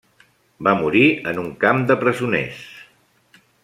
Va morir en un camp de presoners.